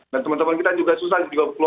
dan perbatasan itu juga sangat susah banget